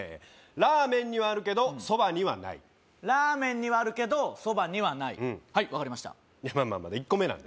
ラーメンにはあるけど蕎麦にはないラーメンにはあるけど蕎麦にはないうんはい分かりましたいやまだ１個目なんでね